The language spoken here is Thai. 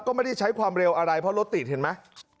ก็ไม่ได้ใช้ความเร็วอะไรเพราะรถติดเห็นไหม